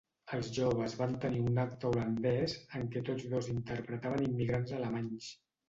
Els joves van tenir un "acte holandès" en què tots dos interpretaven immigrants alemanys.